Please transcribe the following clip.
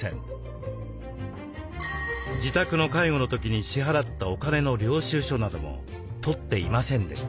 自宅の介護の時に支払ったお金の領収書なども取っていませんでした。